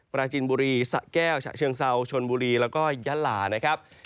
ปราจินบุรีสะแก้วฉะเชิงเซาชนบุรีแล้วก็ยะลานะครับ